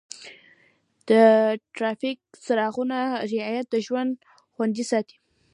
د ټرافیک څراغونو رعایت د ژوند خوندي ساتي.